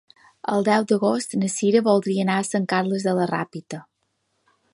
El deu d'agost na Sira voldria anar a Sant Carles de la Ràpita.